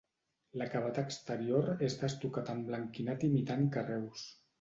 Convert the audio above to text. L'acabat exterior és d'estucat emblanquinat imitant carreus.